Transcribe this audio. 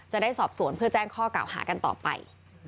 จะได้สอบสวนเพื่อแจ้งข้อกล่าวหากันต่อไป